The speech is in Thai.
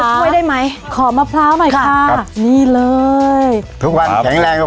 ดูด้วยได้ไหมขอมะพร้าวใหม่ค่ะครับนี่เลยทุกวันแข็งแรงกับ